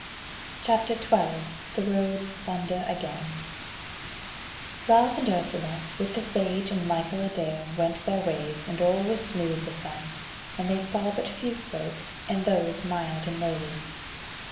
CHAPTER 12 The Roads Sunder Again Ralph and Ursula, with the Sage and Michael a dale went their ways, and all was smooth with them, and they saw but few folk, and those mild and lowly.